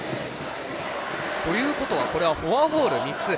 ということはフォアボール３つ。